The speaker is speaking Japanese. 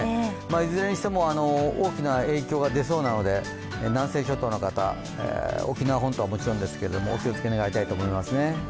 いずれにしても大きな影響が出そうなので、南西諸島の方、沖縄本島はもちろんですけど、お気をつけいただきたいと思います。